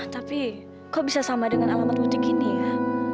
tapi kok bisa sama dengan alamat mudik ini ya